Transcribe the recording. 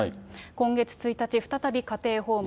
今月１日、再び家庭訪問。